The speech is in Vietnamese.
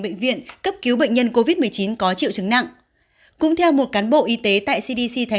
bệnh viện cấp cứu bệnh nhân covid một mươi chín có triệu chứng nặng cũng theo một cán bộ y tế tại cdc thái